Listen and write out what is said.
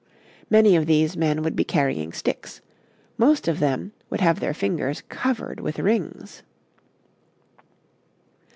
Many of these men would be carrying sticks; most of them would have their fingers covered with rings.